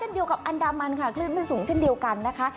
เดียวกับอันดามันค่ะคลื่นไม่สูงเช่นเดียวกันนะคะ